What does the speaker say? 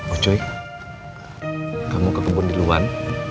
ocoy kamu ke kebun di luar